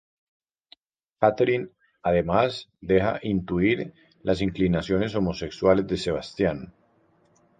Catherine además deja intuir las inclinaciones homosexuales de Sebastian.